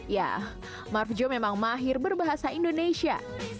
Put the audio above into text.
ya marv joe memang mahir berbahasa indonesia